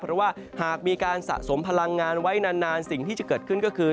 เพราะว่าหากมีการสะสมพลังงานไว้นานสิ่งที่จะเกิดขึ้นก็คือ